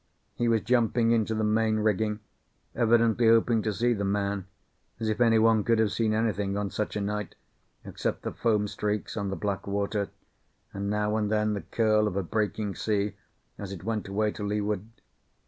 He was jumping into the main rigging, evidently hoping to see the man, as if any one could have seen anything on such a night, except the foam streaks on the black water, and now and then the curl of a breaking sea as it went away to leeward.